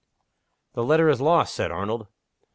"The letter is lost," said Arnold.